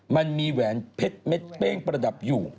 มันมีแหวนเพชรเม็ดเป้งประดับอยู่